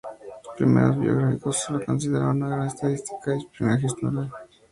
Los primeros biógrafos lo consideraron un gran estadista de espionaje y ornitología.